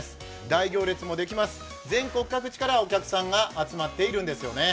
大行列もできます、全国各地からお客さんが集まっているんですよね。